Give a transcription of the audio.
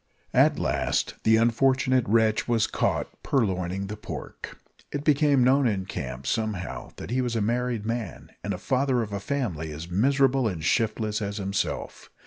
At last the unfortunate wretch was caught purloining the pork. It became known in the camp, somehow, that he was a married man, and father of a family as miserable and shiftless as himself.